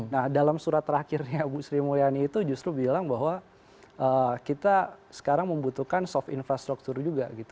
nah dalam surat terakhirnya bu sri mulyani itu justru bilang bahwa kita sekarang membutuhkan soft infrastruktur juga gitu